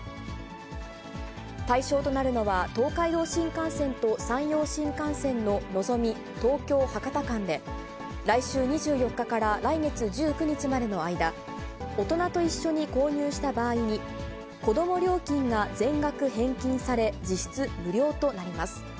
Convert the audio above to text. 対象となるのは、東海道新幹線と山陽新幹線ののぞみ、東京・博多間で、来週２４日から来月１９日までの間、大人と一緒に購入した場合に、こども料金が全額返金され、実質無料となります。